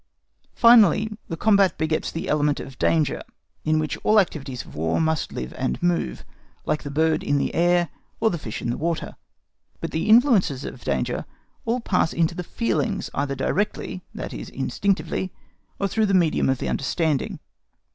Finally, the combat begets the element of danger, in which all the activities of War must live and move, like the bird in the air or the fish in the water. But the influences of danger all pass into the feelings, either directly—that is, instinctively—or through the medium of the understanding.